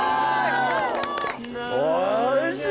おいしい！